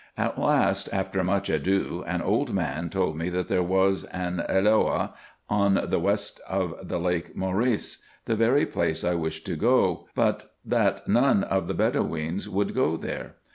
At last, after much ado, an old man told me that there was an Eloah on the west of the Lake Mceris, the very place I wished to go to, but that none of the Bedoweens would go there.